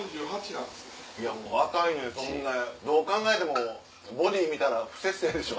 若いのにそんなどう考えてもボディー見たら不摂生でしょ。